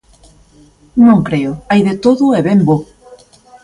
Non creo, hai de todo e ben bo.